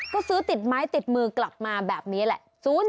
ก็ซื้อติดไม้ติดมือกลับมาแบบนี้แหละ